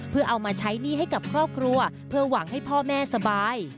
เพื่อเอามาใช้หนี้ให้กับครอบครัวเพื่อหวังให้พ่อแม่สบาย